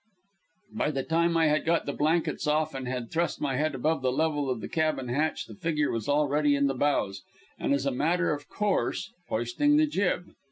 By the time I had got the blankets off and had thrust my head above the level of the cabin hatch the figure was already in the bows, and, as a matter of course, hoisting the jib.